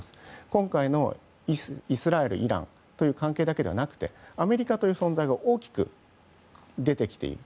今回のイスラエル、イランという関係だけではなくてアメリカという存在が大きく出てきている。